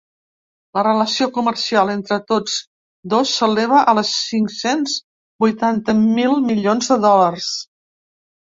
La relació comercial entre tots dos s’eleva als cinc-cents vuitanta mil milions de dòlars.